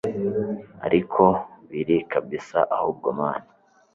ariko biri kabsa ahubwo mn